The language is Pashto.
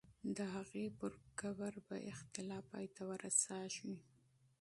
د هغې پر قبر به اختلاف پای ته رسېږي.